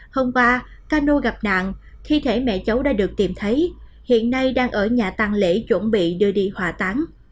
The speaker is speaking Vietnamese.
hôm qua cano gặp nạn thi thể mẹ cháu đã được tìm thấy hiện nay đang ở nhà tăng lễ chuẩn bị đưa đi hỏa tán